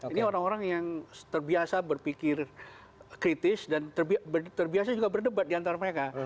ini orang orang yang terbiasa berpikir kritis dan terbiasa juga berdebat diantara mereka